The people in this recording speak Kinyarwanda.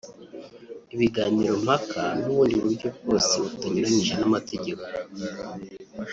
ibiganiro mpaka n’ubundi buryo bwose butanyuranyije n’amategeko